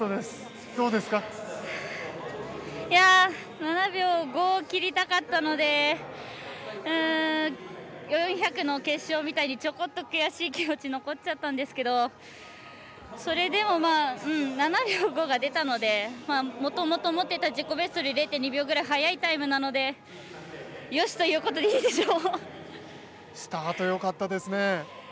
７秒５切りたかったので４００の決勝みたいにちょこっと悔しい気持ちが残っちゃったんですけどそれでも、７秒５が出たのでもともと持っていた自己ベストより０．２秒ぐらい速いタイムなのでよしということでいいでしょう。